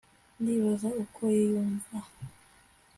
Ndibaza uko yiyumva